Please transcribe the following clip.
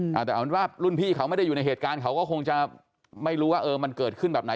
แต่เอาเป็นว่ารุ่นพี่เขาไม่ได้อยู่ในเหตุการณ์เขาก็คงจะไม่รู้ว่าเออมันเกิดขึ้นแบบไหน